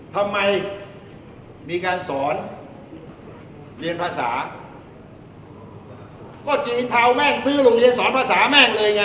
ทำไมมีการสอนเรียนภาษาก็เจอไอ้เท้าแม่งซื้อโรงเรียนสอนภาษาแม่งเลยไง